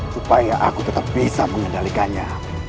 supaya aku tetap bisa mengendalikannya